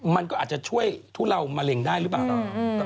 มันก็อาจจะช่วยทุเลามะเร็งได้หรือเปล่าเนาะ